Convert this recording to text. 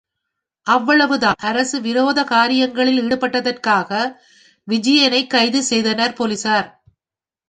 அவ்வளவு தான் அரசு விரோத காரியங்களில் ஈடுபட்டதற்காக விஜயனை கைது செய்தனர் போலீசார்.